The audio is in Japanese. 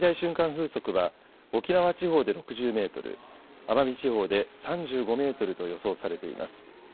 風速は沖縄地方で６０メートル、奄美地方で３５メートルと予想されています。